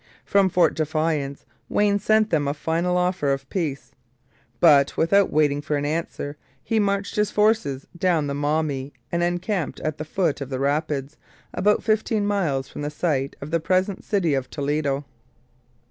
From Fort Defiance Wayne sent them a final offer of peace; but, without waiting for an answer, he marched his forces down the Maumee and encamped at the foot of the rapids, about fifteen miles from the site of the present city of Toledo.